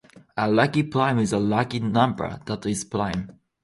A "lucky prime" is a lucky number that is prime.